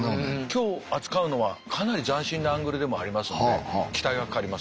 今日扱うのはかなり斬新なアングルでもありますので期待がかかります。